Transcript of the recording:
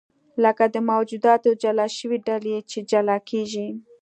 لکه د موجوداتو جلا شوې ډلې چې جلا کېږي.